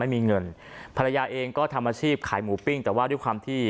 ไม่มีเงินภรรยาเองก็ทำอาชีพขายหมูปิ้งแต่ว่าด้วยความที่